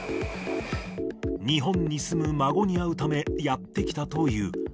日本に住む孫に会うためやって来たという。